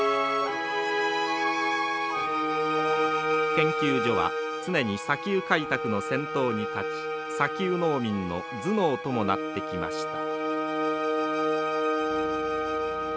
研究所は常に砂丘開拓の先頭に立ち砂丘農民の頭脳ともなってきました。